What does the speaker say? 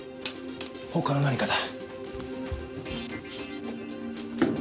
他の何かだ。